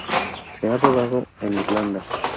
Se ha rodado en Irlanda.